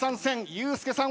ユースケさん。